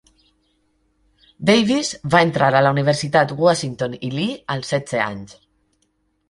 Davis va entrar a la Universitat Washington i Lee als setze anys.